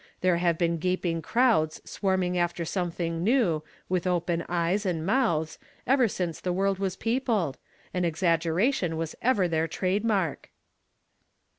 There have been gaping erowds swarming after some thmg new, with open eyes and mouths, ever since the world was peopled; an exaggeration was ever their trade mark."